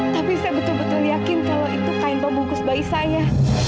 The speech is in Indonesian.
tapi saya betul betul yakin kalau itu kain pembungkus bayi saya